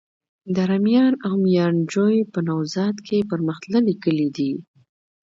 دره میان او ميانجوی په نوزاد کي پرمختللي کلي دي.